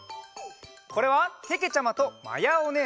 これはけけちゃまとまやおねえさん。